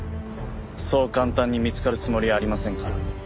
そう簡単に見つかるつもりはありませんから。